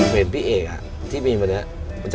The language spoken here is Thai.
ผมะแขนลับภาษา